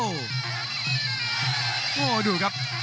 โอ้โหดูครับ